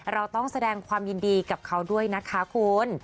เราต้องแสดงความยินดีกับเขาด้วยนะคะคุณ